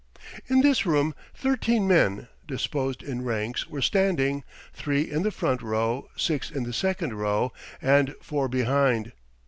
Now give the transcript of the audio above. In this room, thirteen men, disposed in ranks, were standing three in the front row, six in the second row, and four behind.